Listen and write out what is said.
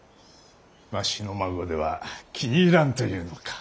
わしの孫では気に入らんというのか。